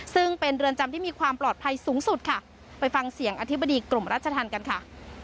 ซึ่งเป็นเรือนจำที่มีความปลอดภัยสูงสุดค่ะไปฟังเสียงอธิบดีกรมรัชธรรมกันค่ะ